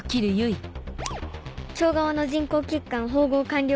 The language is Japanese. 腸側の人工血管縫合完了。